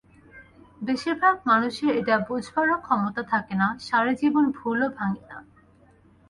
বেশিরভাগ মানুষের এটা বুঝবারও ক্ষমতা থাকে না, সারাজীবনে ভুলও কখনো ভাঙে না।